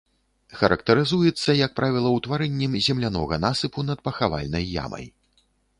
Характарызуецца, як правіла, утварэннем землянога насыпу над пахавальнай ямай.